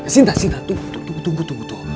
sinta sinta tuh tunggu tunggu